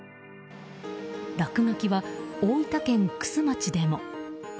落書きは大分県玖珠町でも。